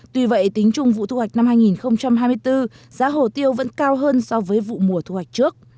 tuy vậy tính chung vụ thu hoạch năm hai nghìn hai mươi bốn giá hồ tiêu vẫn cao hơn so với vụ mùa thu hoạch trước